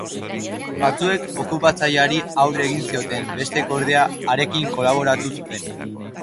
Batzuek okupatzaileari aurre egin zioten, besteek, ordea, harekin kolaboratu zuten.